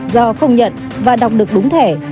do không nhận và đọc được đúng thẻ